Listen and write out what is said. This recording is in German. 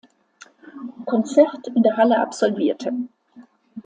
Konzert in der Halle absolvierte.